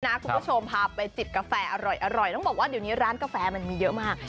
คุณผู้ชมพาไปจิบกาแฟอร่อยต้องบอกว่าเดี๋ยวนี้ร้านกาแฟมันมีเยอะมาก